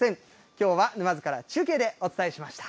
きょうは沼津から中継でお伝えしました。